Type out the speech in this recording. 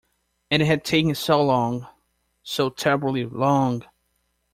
And it had taken so long — so terribly long!